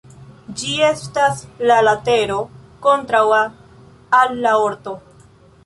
Ĝi estas la latero kontraŭa al la orto.